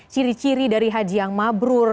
ciri ciri dari haji yang mabrur